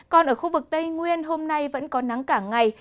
còn ở khu vực tây nguyên hôm nay vẫn có nắng cả ngày